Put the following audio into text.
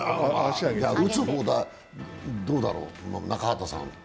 打つ方、どうだろう中畑さん